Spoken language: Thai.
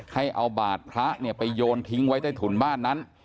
ให้เอาบาทพระไปโยนทิ้งไว้ใต้ถุนบ้านนั้น